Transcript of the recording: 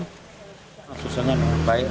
teman teman juga baik